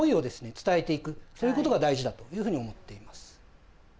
伝えていくそういうことが大事だというふうに思っています。